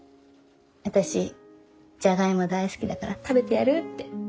私ジャガイモ大好きだから食べてやるって。